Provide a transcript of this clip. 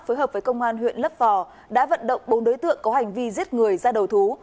phối hợp với công an huyện lấp vò đã vận động bốn đối tượng có hành vi giết người ra đầu thú